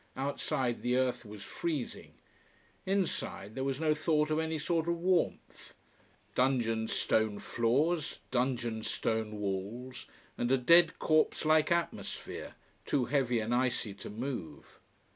Outside the earth was freezing. Inside there was no thought of any sort of warmth: dungeon stone floors, dungeon stone walls and a dead, corpse like atmosphere, too heavy and icy to move.